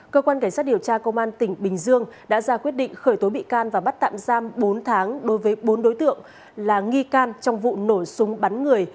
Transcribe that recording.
cơ quan cảnh sát điều tra công an tỉnh bình dương đã ra quyết định khởi tố bị can và bắt tạm giam bốn tháng đối với bốn đối tượng là nghi can trong vụ nổ súng bắn người